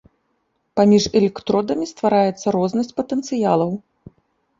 Паміж электродамі ствараецца рознасць патэнцыялаў.